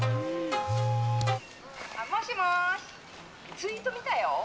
「もしもしツイート見たよ。